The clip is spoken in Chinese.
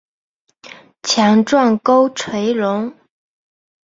强壮沟椎龙。